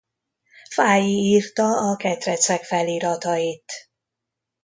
Fáy írta a ketrecek feliratait.